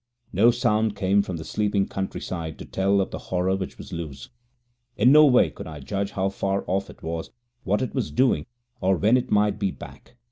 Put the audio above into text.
No sound came from the sleeping countryside to tell of the horror which was loose. In no way could I judge how far off it was, what it was doing, or when it might be back.